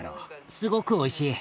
すごくおいしい。